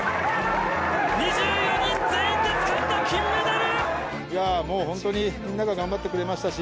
２４人全員でつかんだ金メダル。